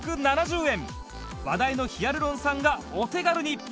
話題のヒアルロン酸がお手軽に